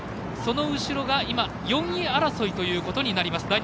その後ろが４位争いということになります。